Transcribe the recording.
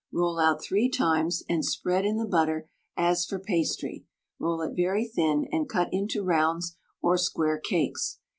Roll out 3 times, and spread in the butter as for pastry; roll it very thin, and cut into rounds or square cakes.